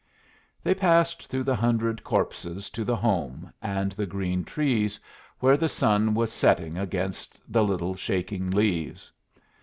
They passed through the hundred corpses to the home and the green trees, where the sun was setting against the little shaking leaves.